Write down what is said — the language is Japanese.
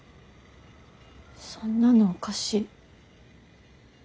そんなのおかしい。